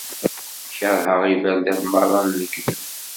Kerheɣ iberdan merra n lekdeb.